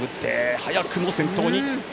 早くも先頭。